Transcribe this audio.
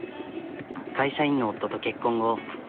会社員の夫と結婚後